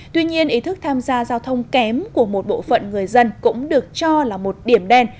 tuy nhiên ý thức tham gia giao thông kém của một bộ phận người dân cũng được cho là một điểm đen